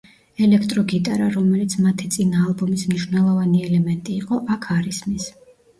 ელექტრო გიტარა, რომელიც მათი წინა ალბომის მნიშვნელოვანი ელემენტი იყო, აქ არ ისმის.